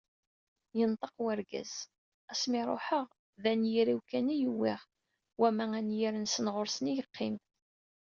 Yenṭeq urgaz: “ Asmi ruḥeɣ, d anyir-iw kan i uwiɣ, wamma anyir-nsen ɣur-sen i yeqqim."